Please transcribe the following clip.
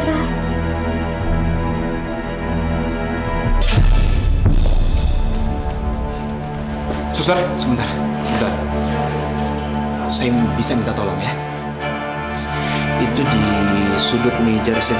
mas kamu harus masuk